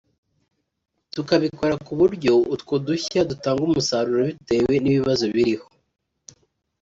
tukabikora ku buryo utwo dushya dutanga umusaruro bitewe n’ibibazo biriho